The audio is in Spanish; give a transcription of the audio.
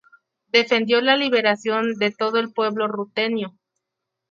Defendió la liberación de "todo el pueblo rutenio".